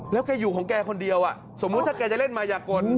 แล้วแกอยู่ของแกคนเดียวสมมุติถ้าแกจะเล่นมายากล